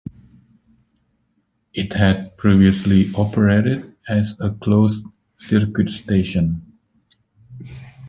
It had previously operated as a closed circuit station.